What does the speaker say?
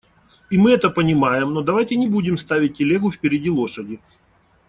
И мы это понимаем, но давайте не будем ставить телегу впереди лошади.